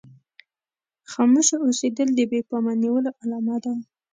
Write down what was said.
خاموشه اوسېدل د بې پامه نيولو علامه ده.